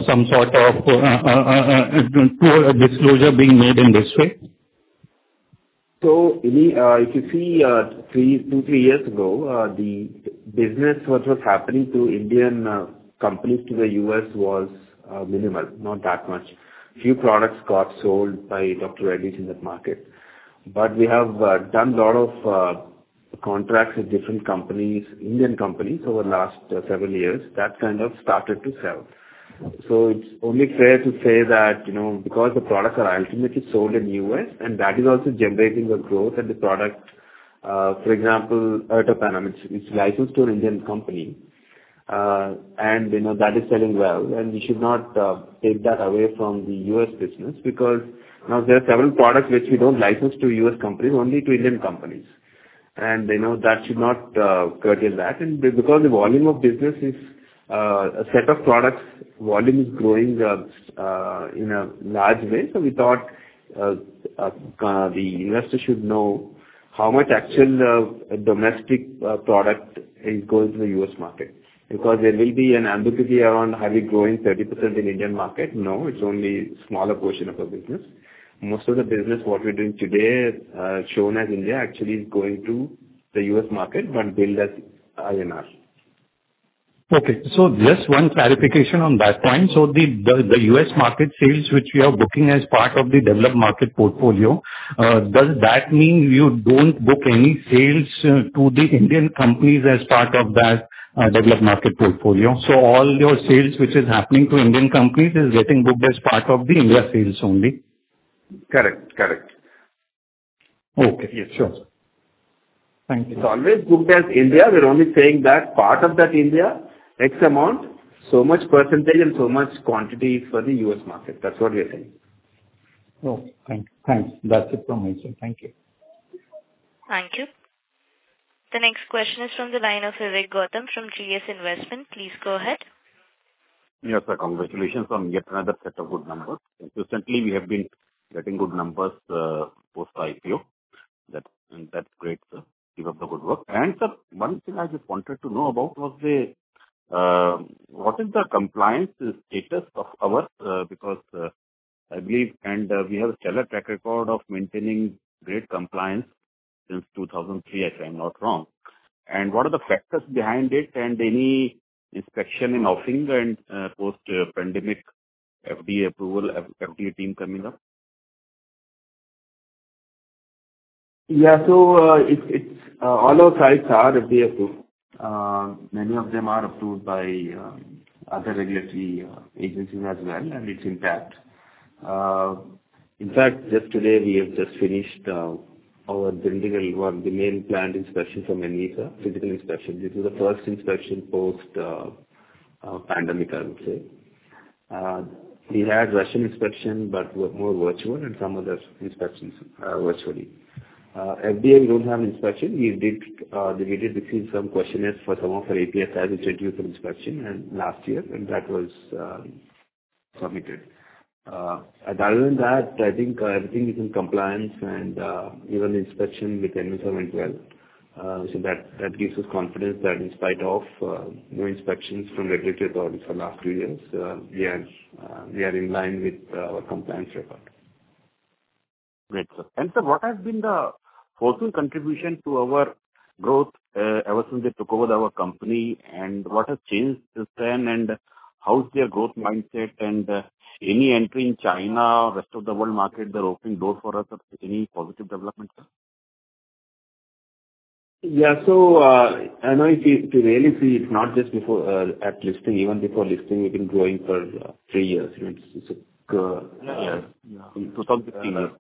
disclosure being made in this way? If you see two-three years ago the business what was happening to Indian companies to the U.S. was minimal, not that much. Few products got sold by Dr. Reddy's in that market. We have done lot of contracts with different companies, Indian companies over the last sevem years, that kind of started to sell. It's only fair to say that, you know, because the products are ultimately sold in U.S. and that is also generating the growth and the product, for example, ertapenem, it's licensed to an Indian company. You know, that is selling well, and we should not take that away from the U.S. business because now there are several products which we don't license to U.S. companies, only to Indian companies. You know, that should not curtail that. Because the volume of business is a set of products, volume is growing in a large way. We thought kinda the investor should know how much actual domestic product is going to the U.S. market. Because there may be an ambiguity around are we growing 30% in Indian market. No, it's only smaller portion of our business. Most of the business, what we're doing today, shown as India actually is going to the U.S. market, but billed as INR. Okay. Just one clarification on that point. The U.S. market sales which we are booking as part of the developed market portfolio, does that mean you don't book any sales to the Indian companies as part of that developed market portfolio? All your sales which is happening to Indian companies is getting booked as part of the India sales only. Correct. Okay. Sure. Thank you. It's always booked as India. We're only saying that part of that India, X amount, so much percentage and so much quantity is for the U.S. market. That's what we are saying. Okay, thanks. That's it from my side. Thank you. Thank you. The next question is from the line of Vivek Gautam from GS Investment. Please go ahead. Yes, sir. Congratulations on yet another set of good numbers. Consistently we have been getting good numbers post IPO. That's great, sir. Keep up the good work. Sir, one thing I just wanted to know about was the compliance status of ours, because I believe we have stellar track record of maintaining great compliance since 2003, if I'm not wrong. What are the factors behind it and any inspection in our future and post-pandemic FDA approval, FDA team coming up? All our sites are FDA approved. Many of them are approved by other regulatory agencies as well, and it's intact. In fact, just today we have just finished the main planned inspection from ANVISA, physical inspection. This is the first inspection post pandemic, I would say. We had virtual inspection, but more virtual and some other inspections virtually. FDA don't have inspection. We did receive some questionnaires for some of our API files which reduced some inspection last year, and that was submitted. Other than that, I think everything is in compliance, and even inspection with ANVISA went well. That gives us confidence that in spite of no inspections from regulatory authorities for last two years, we are in line with our compliance record. Great, sir. Sir, what has been the Fosun contribution to our growth ever since they took over our company, and what has changed since then, and how is their growth mindset and any entry in China, rest of the world market they're opening doors for us or any positive development, sir? Yeah. I know if you really see it's not just before at listing. Even before listing, we've been growing for three years. It's Yeah. In 2015.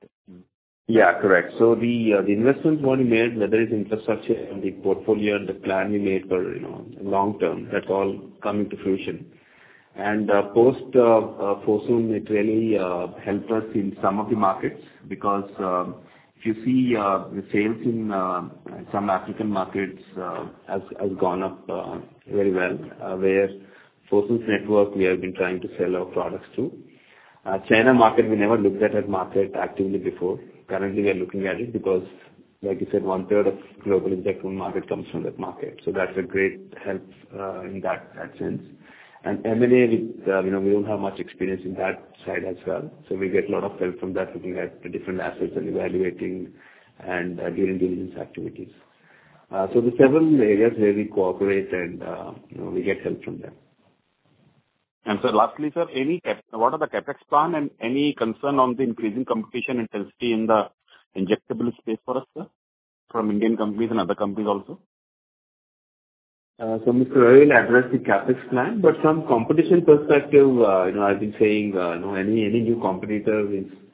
Yeah. Correct. So the investments were made, whether it's infrastructure and the portfolio and the plan we made for, you know, long-term, that's all coming to fruition. Post Fosun, it really helped us in some of the markets because if you see the sales in some African markets has gone up very well. Where Fosun's network, we have been trying to sell our products to. China market we never looked at that market actively before. Currently we are looking at it because, like you said, one third of global injectable market comes from that market. So that's a great help in that sense. M&A with, you know, we don't have much experience in that side as well. We get lot of help from that, looking at the different assets and evaluating and doing due diligence activities. There are several areas where we cooperate and, you know, we get help from them. Sir, lastly sir, what are the CapEx plan and any concern on the increasing competition intensity in the injectable space for us, sir, from Indian companies and other companies also? Mr. Ravi addressed the CapEx plan. From competition perspective, you know, I've been saying, you know, any new competitor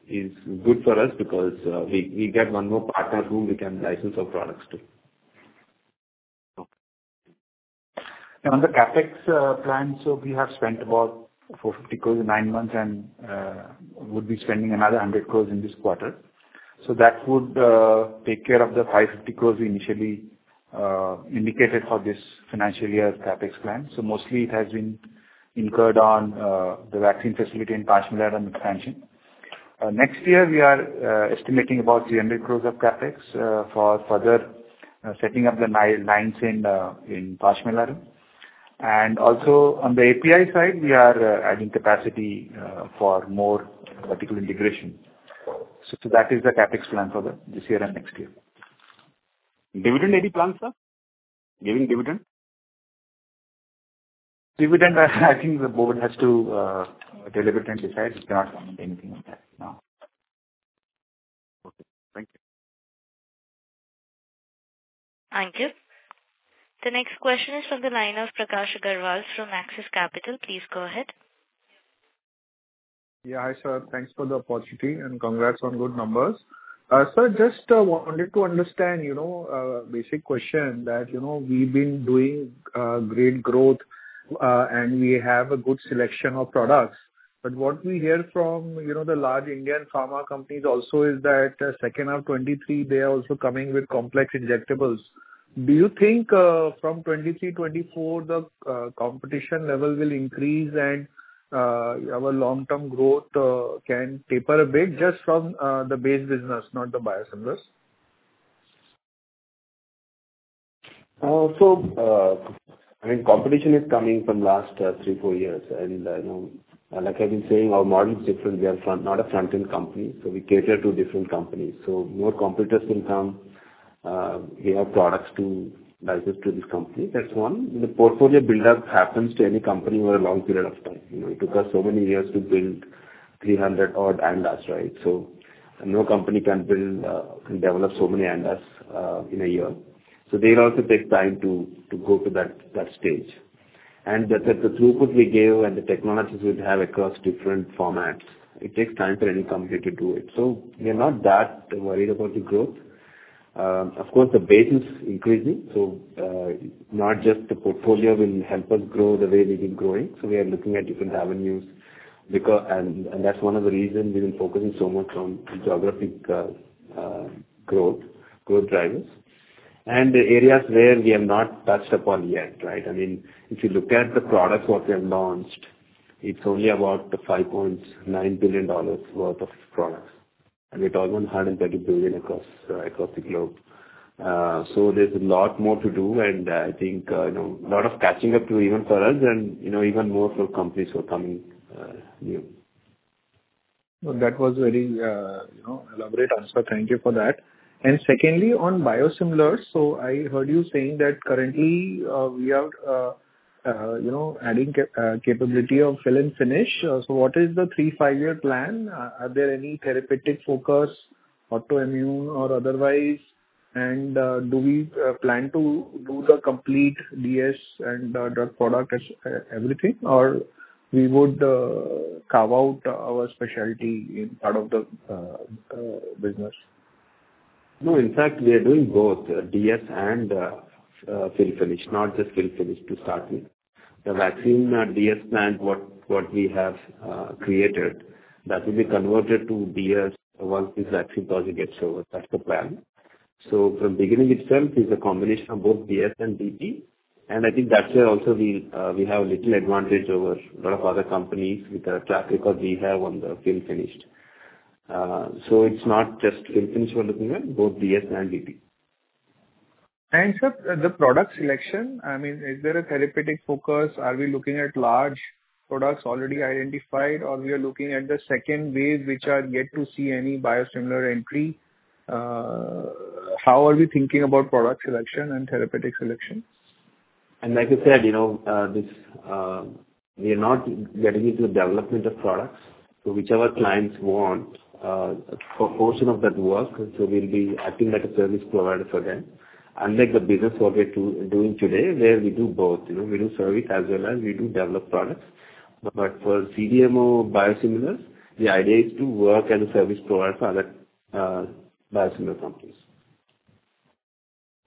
is good for us because we get one more partner who we can license our products to. Okay. On the CapEx plan, we have spent about 450 crores in nine months and would be spending another 100 crores in this quarter. That would take care of the 550 crores we initially indicated for this financial year's CapEx plan. Mostly it has been incurred on the vaccine facility expansion in Pashamylaram. Next year we are estimating about 300 crores of CapEx for further setting up the new lines in Pashamylaram. Also on the API side, we are adding capacity for more vertical integration. That is the CapEx plan for this year and next year. Dividend plans, sir? Giving dividend? Dividend, I think the board has to deliberate and decide. We cannot comment anything on that, no. Okay, thank you. Thank you. The next question is from the line of Prakash Agarwal from Axis Capital. Please go ahead. Hi, sir. Thanks for the opportunity, and congrats on good numbers. Sir, just wanted to understand, you know, a basic question that, you know, we've been doing great growth, and we have a good selection of products. But what we hear from, you know, the large Indian pharma companies also is that second half 2023, they are also coming with complex injectables. Do you think, from 2023, 2024, the competition level will increase and our long-term growth can taper a bit just from the base business, not the biosimilars? I mean, competition is coming from the last three-four years. You know, like I've been saying, our model is different. We are not a front-end company, so we cater to different companies. More competitors can come. We have products to license to this company. That's one. The portfolio buildup happens to any company over a long period of time. You know, it took us so many years to build 300 odd ANDAs, right? No company can develop so many ANDAs in a year. They'll also take time to go to that stage. The throughput we give and the technologies we have across different formats, it takes time for any company to do it. We are not that worried about the growth. Of course, the base is increasing, so not just the portfolio will help us grow the way we've been growing. We are looking at different avenues. That's one of the reasons we've been focusing so much on geographic growth drivers. The areas where we have not touched upon yet, right? I mean, if you look at the products what we have launched, it's only about $5.9 billion worth of products, and we're talking $130 billion across the globe. There's a lot more to do, and I think, you know, a lot of catching up to even for us and, you know, even more for companies who are coming new. That was very elaborate answer. Thank you for that. Secondly, on biosimilars. I heard you saying that currently we have adding capability of fill and finish. What is the three-five-year plan? Are there any therapeutic focus, autoimmune or otherwise? Do we plan to do the complete DS and drug product as everything? Or we would carve out our specialty in part of the business? No, in fact, we are doing both DS and fill finish, not just fill finish to start with. The vaccine DS plant, what we have created, that will be converted to DS once this vaccine project gets over. That's the plan. From beginning itself is a combination of both DS and DP. I think that's where also we have a little advantage over lot of other companies with the track record we have on the fill finish. It's not just fill finish we're looking at, both DS and DP. Sir, the product selection, I mean, is there a therapeutic focus? Are we looking at large products already identified or we are looking at the second wave which are yet to see any biosimilar entry? How are we thinking about product selection and therapeutic selection? Like I said, you know, this, we are not getting into the development of products. Whichever clients want a portion of that work, so we'll be acting like a service provider for them. Unlike the business what we're doing today, where we do both, you know. We do service as well as we do develop products. But for CDMO biosimilars, the idea is to work as a service provider for other biosimilar companies.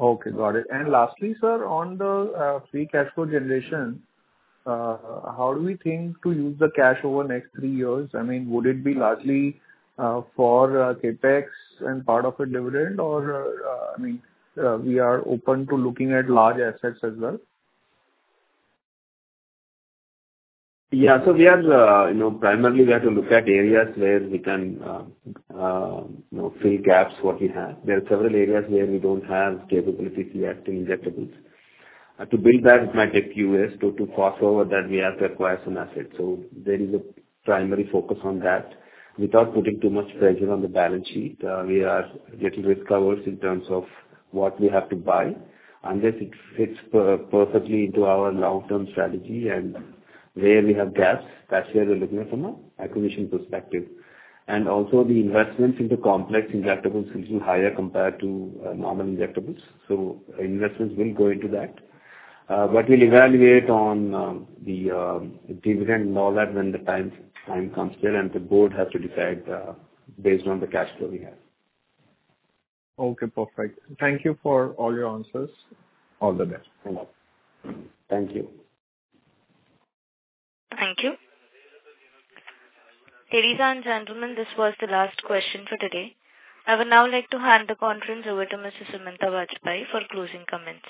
Okay, got it. Lastly, sir, on the free cash flow generation, how do we think to use the cash over next three years? I mean, would it be largely for CapEx and part of a dividend or I mean, we are open to looking at large assets as well? We are primarily we have to look at areas where we can fill gaps what we have. There are several areas where we don't have capabilities yet in injectables. To build that, it might take years. To cross over that, we have to acquire some assets. There is a primary focus on that. Without putting too much pressure on the balance sheet, we are little risk-averse in terms of what we have to buy. Unless it fits perfectly into our long-term strategy and where we have gaps, that's where we're looking from an acquisition perspective. Also the investments into complex injectables is higher compared to normal injectables, so investments will go into that. We'll evaluate on the dividend and all that when the time comes clear, and the board has to decide based on the cash flow we have. Okay, perfect. Thank you for all your answers. All the best. Thank you. Thank you. Ladies and gentlemen, this was the last question for today. I would now like to hand the conference over to Mr. Sumanta Bajpayee for closing comments.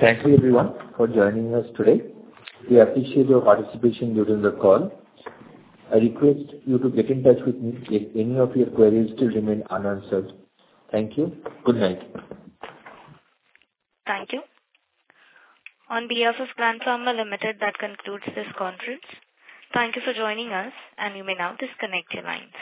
Thank you everyone for joining us today. We appreciate your participation during the call. I request you to get in touch with me if any of your queries still remain unanswered. Thank you. Good night. Thank you. On behalf of Gland Pharma Limited, that concludes this conference. Thank you for joining us, and you may now disconnect your lines.